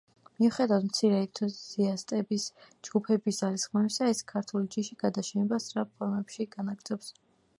მიუხედავად მცირე ენთუზიასტების ჯგუფების ძალისხმევისა, ეს ქართული ჯიში გადაშენებას სწრაფ ფორმებში განაგრძობს.